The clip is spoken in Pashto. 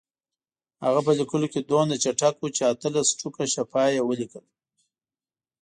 هغه په لیکلو کې دومره چټک و چې اتلس ټوکه شفا یې ولیکل.